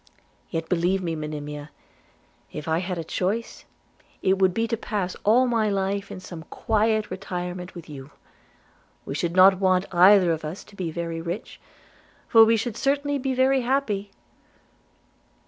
Yet believe me, Monimia, if I had a choice, it would be to pass all my life in some quiet retirement with you. We should not want either of us to be very rich, for we should certainly be very happy.'